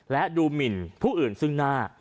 และดูหมินผู้อื่นซึ่งหน้า